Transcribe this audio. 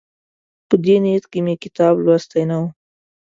په دې نیت مې کتاب لوستی نه وو.